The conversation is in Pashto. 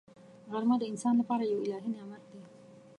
غرمه د انسان لپاره یو الهي نعمت دی